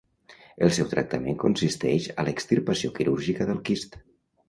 El seu tractament consisteix a l'extirpació quirúrgica del quist.